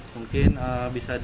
mungkin bisa di